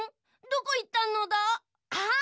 どこいったのだ？あっ！